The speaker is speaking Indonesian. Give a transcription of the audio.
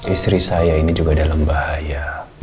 istri saya ini juga dalam bahaya